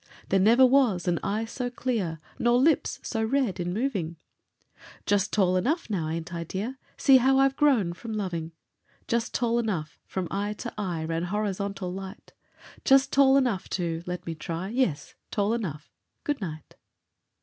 There never was an eye so clear, Nor lips so red in moving; "Just tall enough now, ain't I, dear? See how I've grown from loving!" Just tall enough! from eye to eye Ran horizontal light; Just tall enough to—let me try— Yes, tall enough—good night.